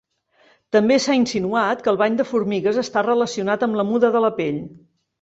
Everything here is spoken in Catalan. També s'ha insinuat que el bany de formigues està relacionat amb la muda de la pell.